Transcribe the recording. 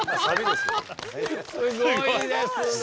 すごいですね！